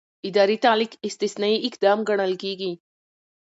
اداري تعلیق استثنايي اقدام ګڼل کېږي.